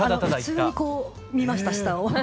普通にこう見ました下を。